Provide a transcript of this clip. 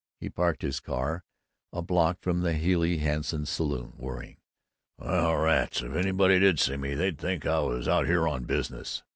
He parked his car a block from Healey Hanson's saloon, worrying, "Well, rats, if anybody did see me, they'd think I was here on business."